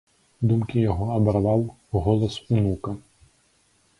Думкі яго абарваў голас унука.